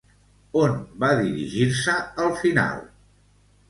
On van dirigir-se al final?